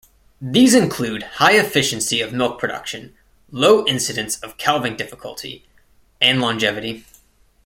These include high efficiency of milk production, low incidence of calving difficulty and longevity.